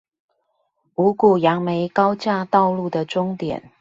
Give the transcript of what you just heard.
五股楊梅高架道路的終點